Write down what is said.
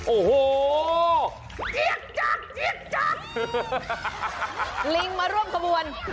โอ้โหลิงมาร่วมขบวน